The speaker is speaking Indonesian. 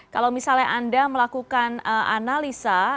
kalau misalnya anda melakukan analisa